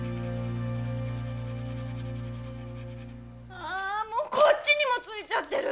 あこっちにもついちゃってる！